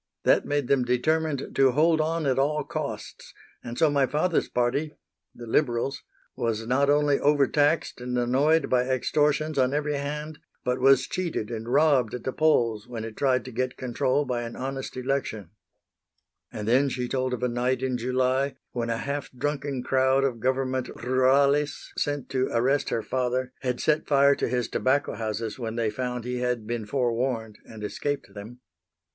That made them determined to hold on at all costs, and so my father's party the Liberals was not only over taxed and annoyed by extortions on every hand, but was cheated and robbed at the polls when it tried to get control by an honest election." And then she told of a night in July when a half drunken crowd of Government rurales, sent to arrest her father, had set fire to his tobacco houses when they found he had been forewarned and escaped them.